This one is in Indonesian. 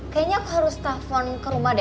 kayaknya aku harus telfon ke rumah deh